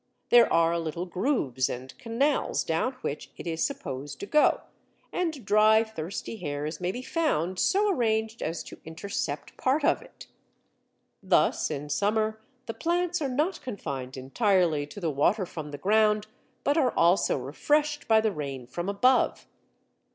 There are little grooves and canals down which it is supposed to go, and dry, thirsty hairs may be found so arranged as to intercept part of it. Thus in summer the plants are not confined entirely to the water from the ground, but are also refreshed by the rain from above.